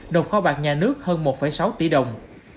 nộp kho bạc nhà nước hơn một sáu tỷ đồng